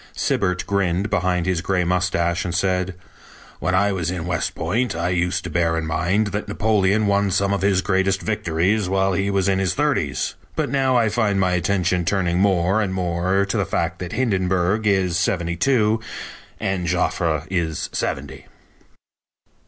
Sibert grinned behind his gray mustache, and said: "When I was in West Point I used to bear in mind that Napoleon won some of his greatest victories while he was in his thirties, but now I find my attention turning more and more to the fact that Hindenburg is seventy two and Joffre is seventy."